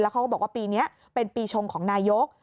เขาก็บอกว่าปีนี้เป็นปีชงของนายก